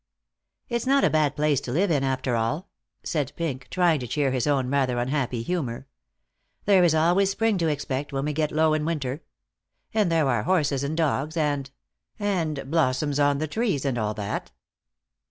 "It's not a bad place to live in, after all," said Pink, trying to cheer his own rather unhappy humor. "There is always spring to expect, when we get low in winter. And there are horses and dogs, and and blossoms on the trees, and all that."